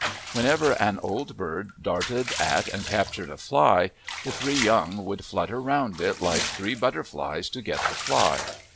Whenever an old bird darted at and captured a fly the three young would flutter round it like three butterflies to get the fly.